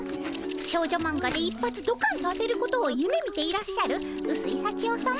少女マンガで一発どかんと当てることをゆめみていらっしゃるうすいさちよさま